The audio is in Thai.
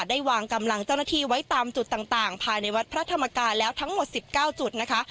ได้วางกำลังเจ้าหน้าที่ไว้ตามจุดต่างภายในวัดพระธรรมกายแล้วทั้งหมด๑๙จุดนะคะ